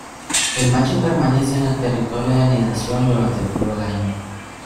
El macho permanece en el territorio de anidación durante todo el año.